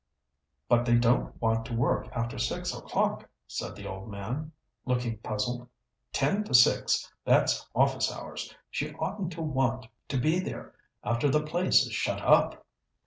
"But they don't want to work after six o'clock," said the old man, looking puzzled. "Ten to six that's office hours. She oughtn't to want to be there after the place is shut up."